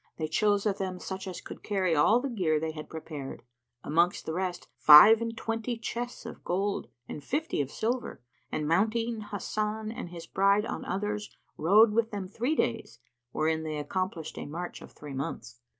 They chose of them such as could carry all the gear they had prepared; amongst the rest five and twenty chests of gold and fifty of silver; and, mounting Hasan and his bride on others, rode with them three days, wherein they accomplished a march of three months.